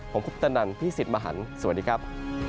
ผมคุปตนันพี่สิทธิ์มหันฯสวัสดีครับ